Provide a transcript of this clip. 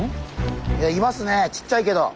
いますねえちっちゃいけど。